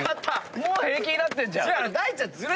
もう平気になってんじゃん。